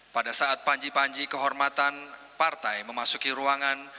pada saat panji panji kehormatan partai memasuki ruangan